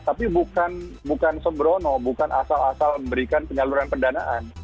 tapi bukan sembrono bukan asal asal memberikan penyaluran pendanaan